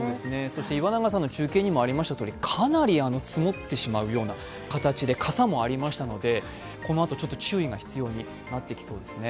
岩永さんの中継にもありますようにかなり積もってしまうようなかさもありましたので、このあと注意が必要になってきそうですね。